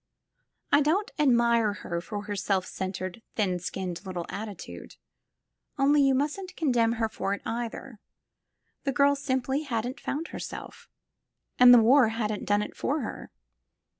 I don't admire her for her self cen tered, thin skinned little attitude, only you mustn't con demn her for it, either. The girl simply hadn't found herself. And the war hadn't done it for her.